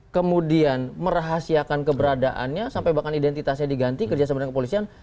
kemudian merahasiakan keberadaannya sampai bahkan identitasnya diganti kerjasama dengan kepolisian